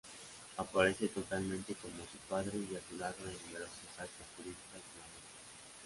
Aparece totalmente como su padre y a su lado en numerosas actas jurídicas flamencas.